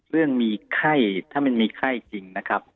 เรื่องมีไข้ถ้ามันมีไข้จริงนะครับ